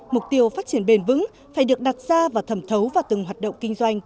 mục tiêu phát triển bền vững phải được đặt ra và thẩm thấu vào từng hoạt động kinh doanh